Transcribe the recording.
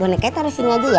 bonekanya taruh sini aja ya